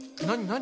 何？